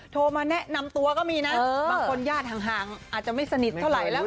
โทรมาแนะนำตัวก็มีนะบางคนญาติห่างอาจจะไม่สนิทเท่าไหร่แล้ว